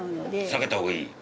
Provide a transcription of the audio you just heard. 避けた方がいい？